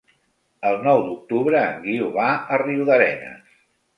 El nou d'octubre en Guiu va a Riudarenes.